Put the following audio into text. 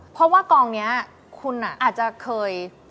เพราะว่ากองนี้คุณอาจจะเคย